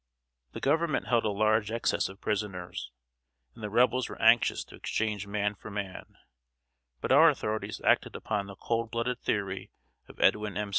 The Government held a large excess of prisoners, and the Rebels were anxious to exchange man for man; but our authorities acted upon the cold blooded theory of Edwin M.